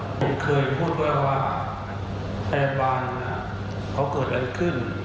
ผมเคยพูดไว้ว่าพยาบาลเขาเกิดอะไรขึ้น